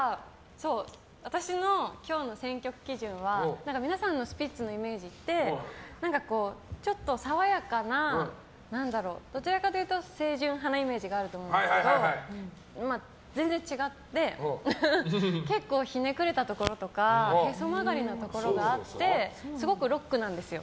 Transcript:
私の今日の選曲基準は皆さんのスピッツのイメージってちょっと爽やかなどちらかというと清純派なイメージがあると思うんですけど全然違って結構ひねくれたところとかへそ曲がりなところがあってすごくロックなんですよ。